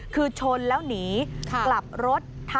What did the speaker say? คือชนแล้วหนีกลับรถ